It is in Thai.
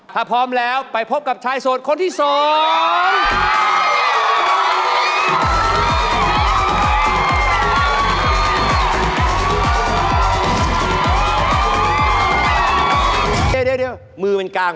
ถ้าพร้อมแล้วไปพบกับชายโสดคนที่สอง